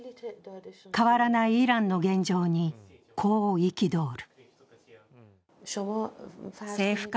変わらないイランの現状にこう憤る。